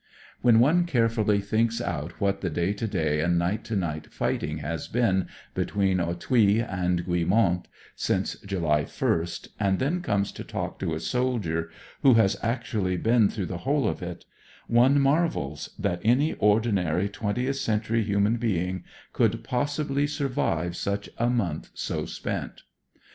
When one carefully thinks out what the day to day and nig^t to night fighting has been between Authille and Guillemont since July 1st, and then comes to talk to a soldier who has actually been through the whole of it, one marvels that any ordinary twentieth century human being g2 88 THE COCKNEY FIGHTER could possibly survive such a month so spent.